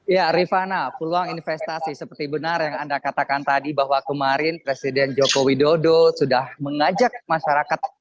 ya rifana peluang investasi seperti benar yang anda katakan tadi bahwa kemarin presiden joko widodo sudah mengajak masyarakat